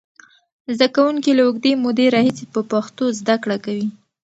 زده کوونکي له اوږدې مودې راهیسې په پښتو زده کړه کوي.